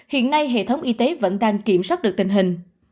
hiện nay hệ thống y tế vẫn đang kiểm soát được tình hình